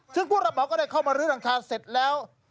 ซึ่งผู้รับเหมาก็ได้เข้ามาลื้อหลังคาเสร็จแล้ว